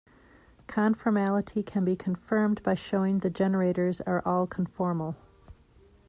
Conformality can be confirmed by showing the generators are all conformal.